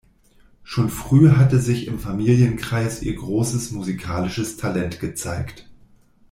Schon früh hatte sich im Familienkreis ihr großes musikalisches Talent gezeigt.